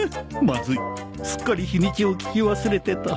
まずいすっかり日にちを聞き忘れてた